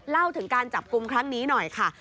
เล่าถึงการจับกลุ่มครั้งนี้หน่อยค่ะ